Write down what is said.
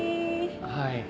はい。